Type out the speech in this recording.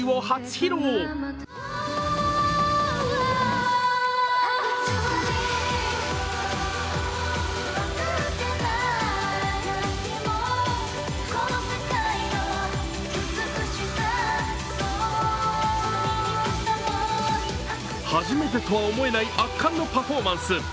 初めてとは思えない圧巻のパフォーマンス。